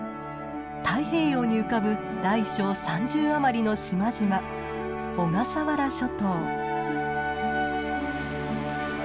太平洋に浮かぶ大小３０余りの島々小笠原諸島。